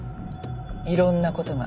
いろんなことが。